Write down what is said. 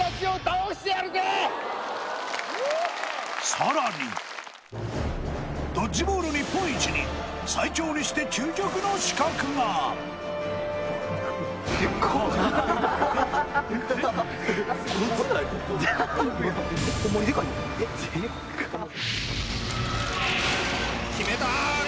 さらにドッジボール日本一に最強にして究極の刺客が決めた！